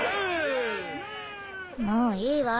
もういいわ。